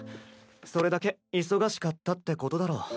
それだけ忙しかったってことだろ。